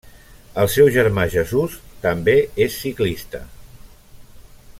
El seu germà Jesús també és ciclista.